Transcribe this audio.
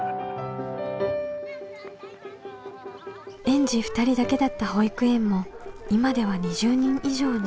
園児２人だけだった保育園も今では２０人以上に。